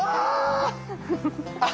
あ！